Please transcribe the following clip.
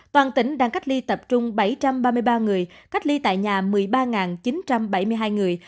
toàn tỉnh đang cách ly tập trung bảy trăm ba mươi ba người cách ly tại nhà một mươi ba chín trăm bảy mươi hai người